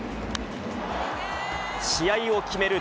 試合を決める